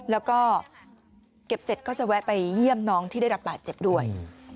แล้วก็เก็บเสร็จก็จะแวะไปเยี่ยมน้องที่ได้รับบาดเจ็บด้วย